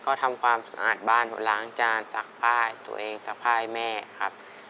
ก็ทำความสะอาดบ้านหลังจานซักป้ายตัวเองซักป้ายแม่ครับ